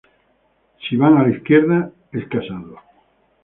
Si van a la izquierda, es casado.